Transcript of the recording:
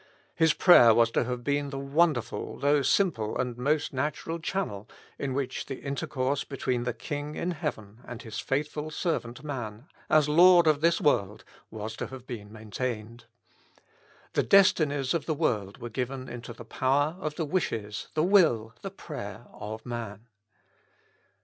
His praj er was to have been the wonderful, though simple and most natural channel, in which the intercourse between the King in heaven and His faithful servant man, as lord of this world, was to have been maintained. The destinies of the world were given into the power of the wishes, the will, the prayer of man.